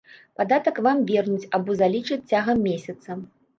Падатак вам вернуць або залічаць цягам месяца.